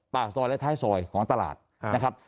ปากซอยและท้ายซอยของตลาดนะครับ